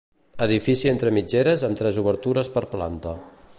Edifici entre mitgeres amb tres obertures per planta.